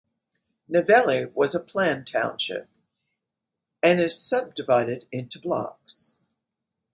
Neyveli was a planned townships and is sub-divided into 'blocks'.